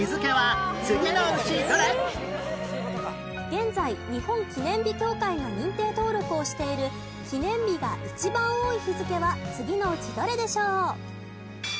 現在日本記念日協会が認定登録をしている記念日が一番多い日付は次のうちどれでしょう？